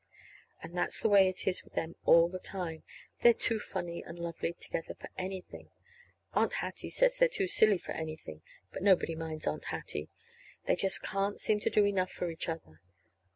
And that's the way it is with them all the time. They're too funny and lovely together for anything. (Aunt Hattie says they're too silly for anything; but nobody minds Aunt Hattie.) They just can't seem to do enough for each other.